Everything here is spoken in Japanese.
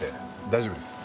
大丈夫です。